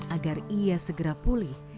agar ia segera pulih